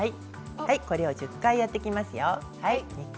これを１０回やっていきますよ。